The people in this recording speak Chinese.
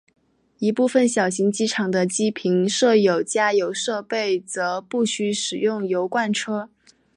一部份小型机场的机坪设有加油设备则不需使用油罐车。